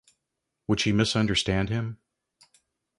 Would she misunderstand him?